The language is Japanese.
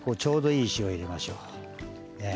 まず塩ちょうどいい塩を入れましょう。